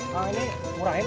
kang ini murahin ya